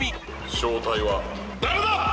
正体は誰だ？